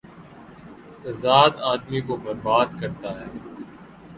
تضاد آ دمی کو بر باد کر تا ہے۔